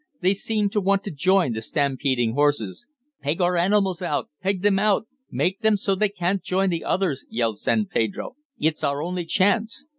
They seemed to want to join the stampeding horses. "Peg our animals out! Peg them out! Make them so they can't join the others!" yelled San Pedro. "It's our only chance!"